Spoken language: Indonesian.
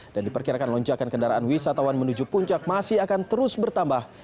dan diperkirakan lonjakan kendaraan wisatawan menuju puncak masih akan terus bertambah